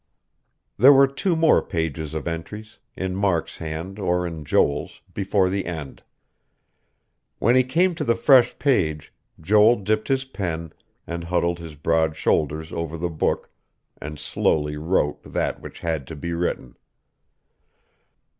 '" There were two more pages of entries, in Mark's hand or in Joel's, before the end. When he came to the fresh page, Joel dipped his pen, and huddled his broad shoulders over the book, and slowly wrote that which had to be written.